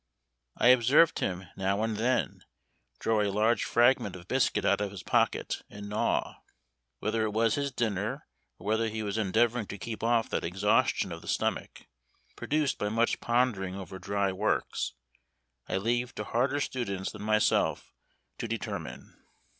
I observed him, now and then, draw a large fragment of biscuit out of his pocket, and gnaw; whether it was his dinner, or whether he was endeavoring to keep off that exhaustion of the stomach, produced by much pondering over dry works, I leave to harder students than myself to determine.